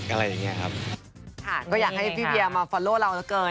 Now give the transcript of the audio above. อ่านอยากให้พี่แพีเออร์มาฟอลโลกระเกิน